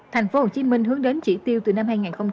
tp hcm hướng đến chỉ tiêu từ năm hai nghìn hai mươi